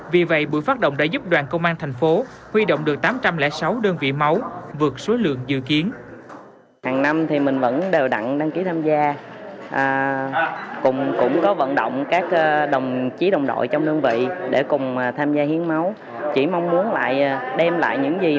vì vậy buổi phát động đã giúp đoàn công an thành phố huy động được tám trăm linh sáu đơn vị máu vượt số lượng dự kiến